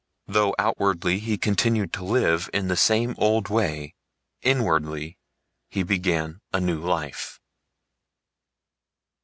Though outwardly he continued to live in the same old way, inwardly he began a new life.